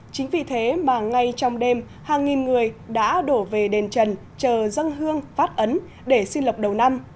chính vì thế mà ngay trong đêm hàng nghìn người đã đổ về đền trần chờ dân hương phát ấn để xin lọc đầu năm